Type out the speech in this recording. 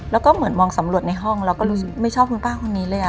แล้วก็เหมือนมองสำรวจในห้องเราก็รู้สึกไม่ชอบคุณป้าคนนี้เลย